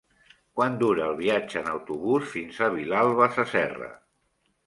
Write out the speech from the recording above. Quant dura el viatge en autobús fins a Vilalba Sasserra?